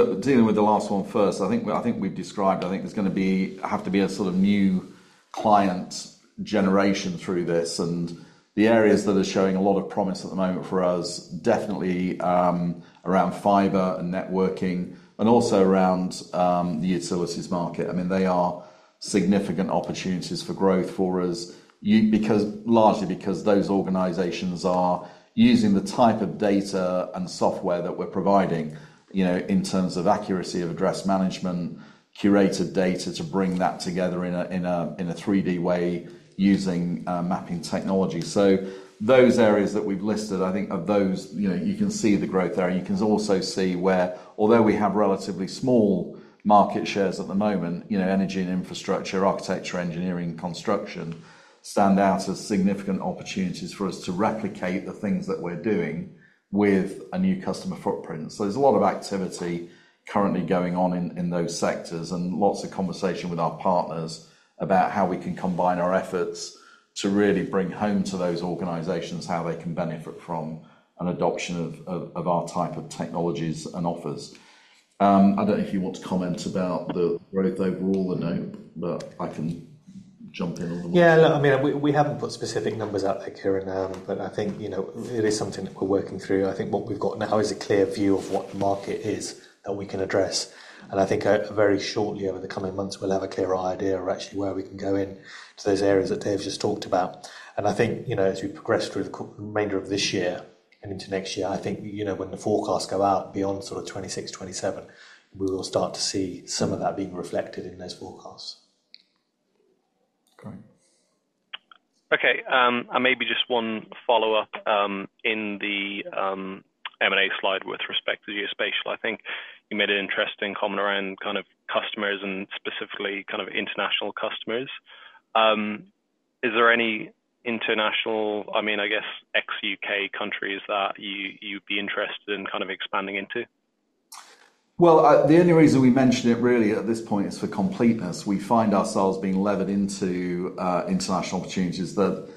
the last one first, I think we've described. I think there's going to have to be a sort of new client generation through this. And the areas that are showing a lot of promise at the moment for us, definitely around fiber and networking and also around the utilities market. I mean, they are significant opportunities for growth for us largely because those organizations are using the type of data and software that we're providing in terms of accuracy of address management, curated data to bring that together in a 3D way using mapping technology. So those areas that we've listed, I think of those, you can see the growth there. You can also see where, although we have relatively small market shares at the moment, energy and infrastructure, architecture, engineering, construction stand out as significant opportunities for us to replicate the things that we're doing with a new customer footprint. So, there's a lot of activity currently going on in those sectors and lots of conversation with our partners about how we can combine our efforts to really bring home to those organizations how they can benefit from an adoption of our type of technologies and offers. I don't know if you want to comment about the growth overall or no, but I can jump in on the market. Yeah. Look, I mean, we haven't put specific numbers out there, Ciaran, but I think it is something that we're working through. I think what we've got now is a clear view of what the market is that we can address. I think very shortly over the coming months, we'll have a clearer idea of actually where we can go into those areas that Dave just talked about. I think as we progress through the remainder of this year and into next year, I think when the forecasts go out beyond sort of 2026, 2027, we will start to see some of that being reflected in those forecasts. Great. Okay. And maybe just one follow-up in the M&A slide with respect to geospatial. I think you made an interesting comment around kind of customers and specifically kind of international customers. Is there any international, I mean, I guess, ex-U.K. countries that you'd be interested in kind of expanding into? The only reason we mention it really at this point is for completeness. We find ourselves being levered into international opportunities that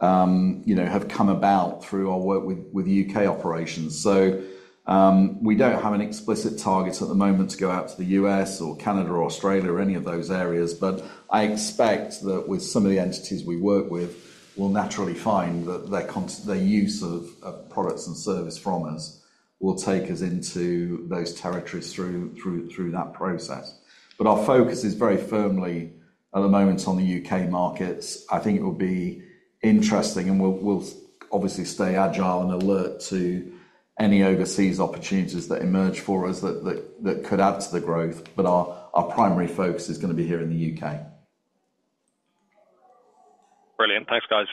have come about through our work with U.K. operations. So we don't have an explicit target at the moment to go out to the U.S. or Canada or Australia or any of those areas. But I expect that with some of the entities we work with, we'll naturally find that their use of products and service from us will take us into those territories through that process. But our focus is very firmly at the moment on the U.K. markets. I think it will be interesting, and we'll obviously stay agile and alert to any overseas opportunities that emerge for us that could add to the growth. But our primary focus is going to be here in the U.K. Brilliant. Thanks, guys.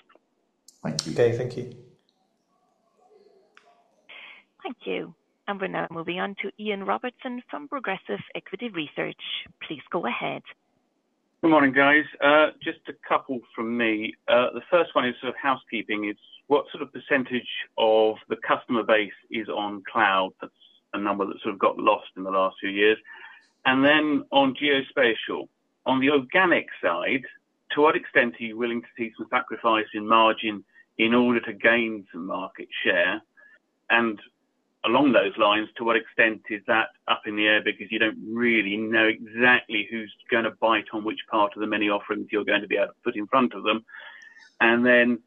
Thank you. Okay. Thank you. Thank you. And we're now moving on to Ian Robertson from Progressive Equity Research. Please go ahead. Good morning, guys. Just a couple from me. The first one is sort of housekeeping. It's what sort of percentage of the customer base is on cloud? That's a number that sort of got lost in the last few years. And then on geospatial, on the organic side, to what extent are you willing to see some sacrifice in margin in order to gain some market share? And along those lines, to what extent is that up in the air because you don't really know exactly who's going to bite on which part of the many offerings you're going to be able to put in front of them? And then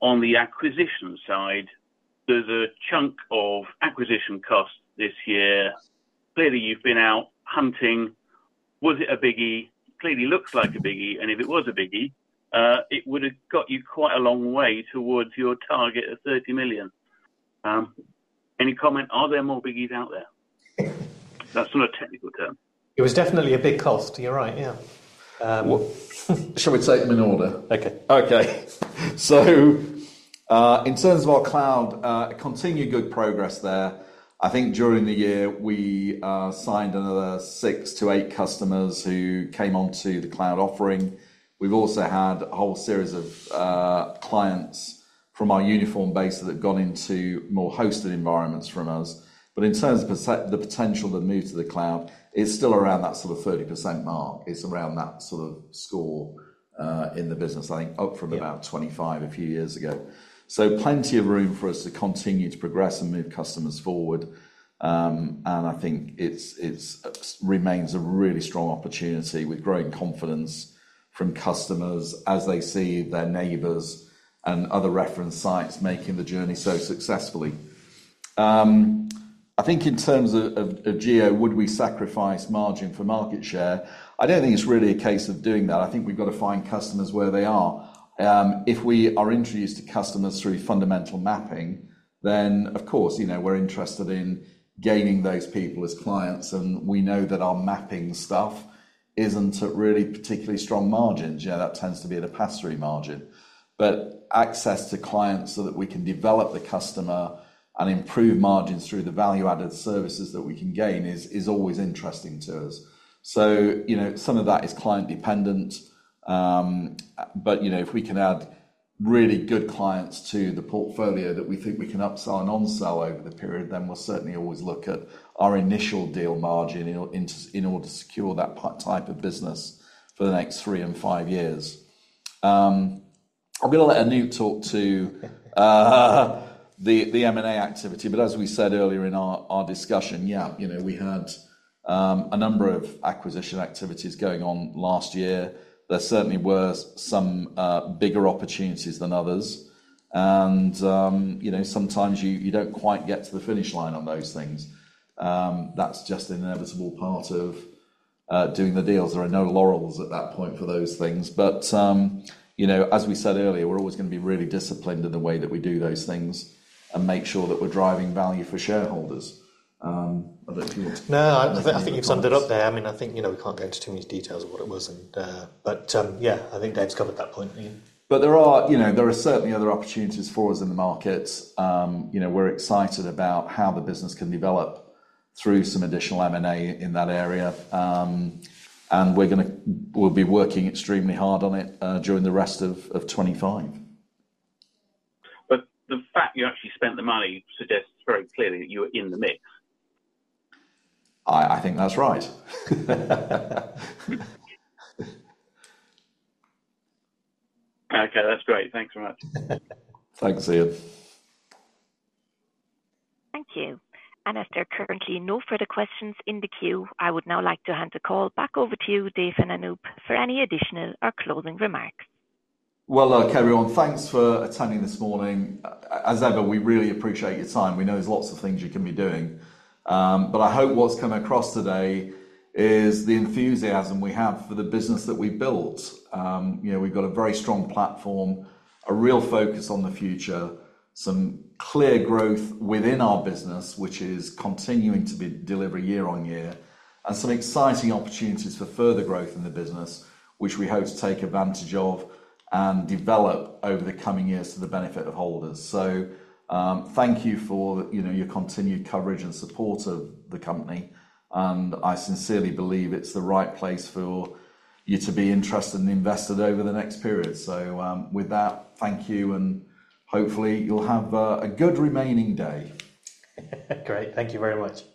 on the acquisition side, there's a chunk of acquisition costs this year. Clearly, you've been out hunting. Was it a biggie? Clearly, it looks like a biggie. And if it was a biggie, it would have got you quite a long way toward your target of 30 million. Any comment? Are there more biggies out there? That's not a technical term. It was definitely a big cost. You're right. Yeah. Shall we take them in order? Okay. Okay. So, in terms of our cloud, continued good progress there. I think during the year, we signed another six to eight customers who came onto the cloud offering. We've also had a whole series of clients from our Uniform base that have gone into more hosted environments from us. But in terms of the potential to move to the cloud, it's still around that sort of 30% mark. It's around that sort of score in the business, I think, up from about 25 a few years ago. So, plenty of room for us to continue to progress and move customers forward. And I think it remains a really strong opportunity with growing confidence from customers as they see their neighbors and other reference sites making the journey so successfully. I think in terms of Geo, would we sacrifice margin for market share? I don't think it's really a case of doing that. I think we've got to find customers where they are. If we are introduced to customers through fundamental mapping, then, of course, we're interested in gaining those people as clients. And we know that our mapping stuff isn't at really particularly strong margins. Yeah, that tends to be at a pass-through margin. But access to clients so that we can develop the customer and improve margins through the value-added services that we can gain is always interesting to us. So, some of that is client-dependent. But if we can add really good clients to the portfolio that we think we can upsell and onsell over the period, then we'll certainly always look at our initial deal margin in order to secure that type of business for the next three and five years. I'm going to let Anoop talk to the M&A activity. But as we said earlier in our discussion, yeah, we had a number of acquisition activities going on last year. There certainly were some bigger opportunities than others. And sometimes you don't quite get to the finish line on those things. That's just an inevitable part of doing the deals. There are no laurels at that point for those things. But as we said earlier, we're always going to be really disciplined in the way that we do those things and make sure that we're driving value for shareholders. I don't know. No, I think you've summed it up there. I mean, I think we can't go into too many details of what it was. But yeah, I think Dave's covered that point, Ian. But there are certainly other opportunities for us in the markets. We're excited about how the business can develop through some additional M&A in that area. And we'll be working extremely hard on it during the rest of 2025. But the fact you actually spent the money suggests very clearly that you were in the mix. I think that's right. Okay. That's great. Thanks very much. Thanks, Ian. Thank you. And if there are currently no further questions in the queue, I would now like to hand the call back over to Dave and Anoop for any additional or closing remarks. Well, look, everyone, thanks for attending this morning. As ever, we really appreciate your time. We know there's lots of things you can be doing. But I hope what's come across today is the enthusiasm we have for the business that we built. We've got a very strong platform, a real focus on the future, some clear growth within our business, which is continuing to be delivered year on year, and some exciting opportunities for further growth in the business, which we hope to take advantage of and develop over the coming years to the benefit of holders. So thank you for your continued coverage and support of the company. And I sincerely believe it's the right place for you to be interested and invested over the next period. So with that, thank you. And hopefully, you'll have a good remaining day. Great. Thank you very much.